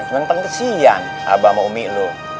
cuman pengkesian abah sama umi lo